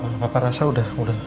udah papa rasa udah